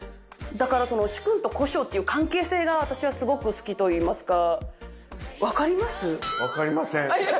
だからその主君と小姓っていう関係性が私はすごく好きといいますか。